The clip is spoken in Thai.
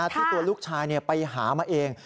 ที่ตัวลูกชายไปหามาเอง